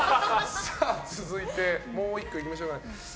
続いて、もう１個いきましょうか。